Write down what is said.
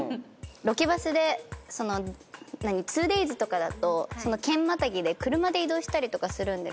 ロケバスでツーデーズとかだと県またぎで車で移動したりとかするんですよ。